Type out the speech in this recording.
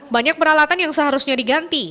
banyak peralatan yang seharusnya diganti